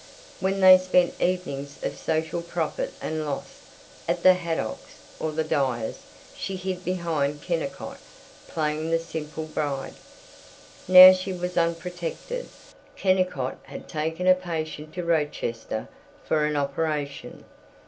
When they spent evenings of social profit and loss at the Haydocks' or the Dyers' she hid behind Kennicott, playing the simple bride. Now she was unprotected. Kennicott had taken a patient to Rochester for an operation.